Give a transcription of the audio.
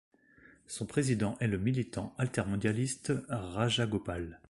Son président est le militant altermondialiste Rajagopal.